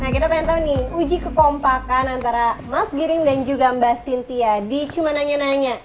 nah kita pengen tahu nih uji kekompakan antara mas giring dan juga mbak cynthia di cuma nanya nanya